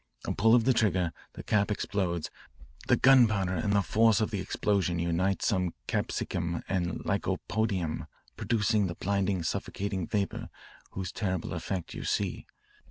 A pull of the trigger, the cap explodes, the gunpowder and the force of the explosion unite some capsicum and lycopodium, producing the blinding, suffocating vapour whose terrible effect you see.